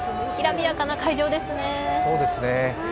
きらびやかな会場ですね。